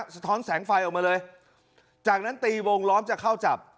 สะท้อนแสงไฟออกมาเลยจากนั้นตีวงล้อมจะเข้าจับ